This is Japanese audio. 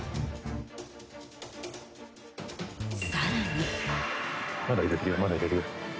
更に。